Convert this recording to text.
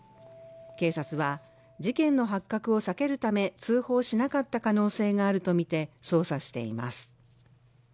警察は事件の発覚を避けるため通報しなかった可能性があるとみて捜査しています。